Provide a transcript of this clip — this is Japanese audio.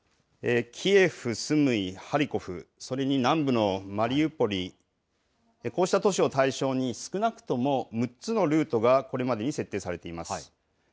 キエフ、スムイ、ハリコフ、それに南部のマリウポリ、こうした都市を対象に、少なくとも６つのルートがこれまでに設定されています。